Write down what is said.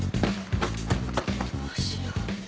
どうしよう。